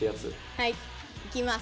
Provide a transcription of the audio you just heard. はいいきます。